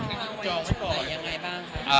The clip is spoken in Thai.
อย่างไรบ้านค่ะ